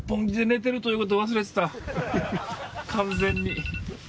完全に。